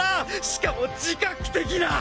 しかも自覚的な。